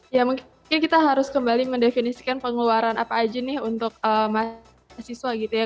ya mungkin kita harus kembali mendefinisikan pengeluaran apa aja nih untuk mahasiswa gitu ya